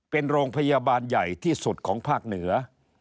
เป็นโรงพยาบาลใหญ่ที่สุดของภาคเหนือ